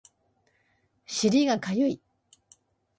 尻がかゆい